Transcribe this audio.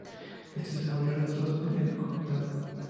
Este es el mayor retroceso documentado.